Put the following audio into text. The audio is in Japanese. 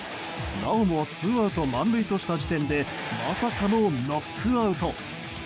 なおもツーアウト満塁とした時点でまさかのノックアウト。